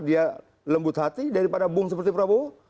dia lembut hati daripada bung seperti prabowo